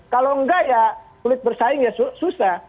kalau enggak ya sulit bersaing ya susah